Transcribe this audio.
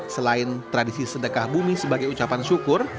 selain tradisi sedekah bumi sebagai ucapan syukur